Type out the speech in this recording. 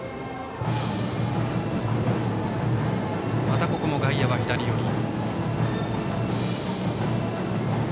またここも外野は左寄り。